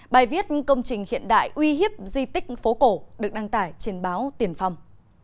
bài viết công trình hiện đại uy hiếp di tích phố cổ được đăng tải trên báo tiền phong